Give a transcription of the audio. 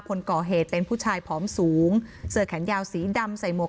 คนก่อเหตุเป็นผู้ชายผอมสูงเสื้อแขนยาวสีดำใส่หมวก